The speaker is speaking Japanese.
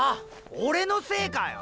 オレのせいかよ！？